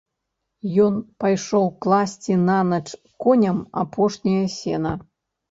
Ён пайшоў класці нанач коням апошняе сена.